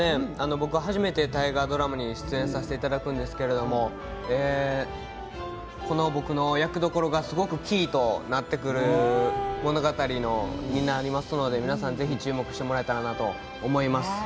僕は初めて大河ドラマに出演させていただくんですけれどこの僕の役どころがすごくキーとなってくる物語になりますので、皆さんぜひ注目してもらえればと思います。